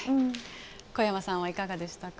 小山さんはいかがでしたか？